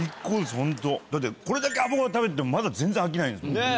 だってこれだけアボカド食べててもまだ全然飽きないんですもん。